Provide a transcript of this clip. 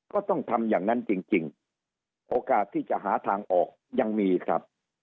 ก็ต้องทำอย่างนั้นจริงโอกาสที่จะหาทางออกยังมีครับ